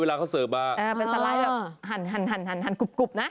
เวลาเขาเสิร์ฟมาเป็นสไลด์แบบหั่นกรุบนะ